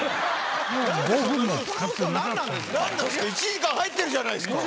１時間入ってるじゃないですか。